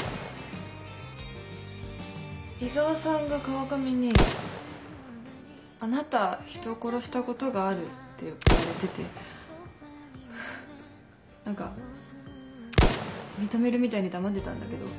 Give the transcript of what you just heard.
井沢さんが川上に「あなた人を殺したことがある」って言われてて何か認めるみたいに黙ってたんだけど。